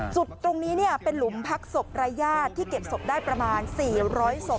จุดตรงนี้เป็นหลุมพักศพรายญาติที่เก็บศพได้ประมาณ๔๐๐ศพ